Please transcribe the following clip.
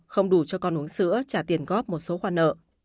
không đủ cho con uống sữa trả tiền góp một số khoản nợ